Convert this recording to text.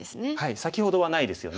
先ほどはないですよね。